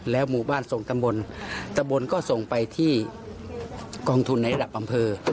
หมู่บ้านส่งตำบลตำบลก็ส่งไปที่กองทุนในระดับอำเภอ